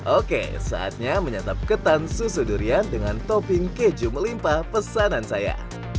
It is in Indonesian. oke saatnya menyantap ketan susu durian dengan topping keju melimpa pesanan saya